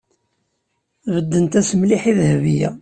Beddent-as mliḥ i Dahbiya.